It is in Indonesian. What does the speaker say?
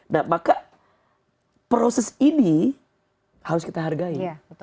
nah maka proses ini harus kita hargai